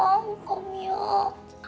aku gak mau